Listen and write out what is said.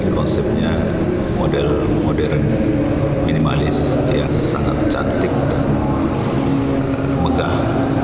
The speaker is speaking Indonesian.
konsepnya model modern minimalis yang sangat cantik dan megah